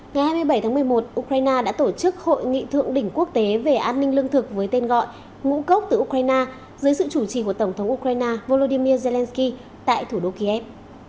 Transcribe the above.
ngày hai mươi bảy tháng một mươi một ukraine đã tổ chức hội nghị thượng đỉnh quốc tế về an ninh lương thực với tên gọi ngũ cốc từ ukraine dưới sự chủ trì của tổng thống ukraine volodymyr zelensky tại thủ đô kiev